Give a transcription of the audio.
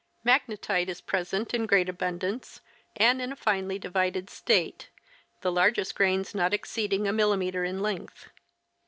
197 Magnetite is present in great abundance and in a finely divided state, the largest grains not exceeding a millimeter in length.